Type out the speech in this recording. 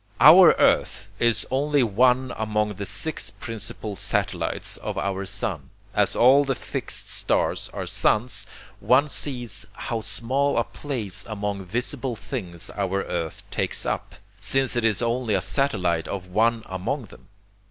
Our earth is only one among the six principal satellites of our sun. As all the fixed stars are suns, one sees how small a place among visible things our earth takes up, since it is only a satellite of one among them.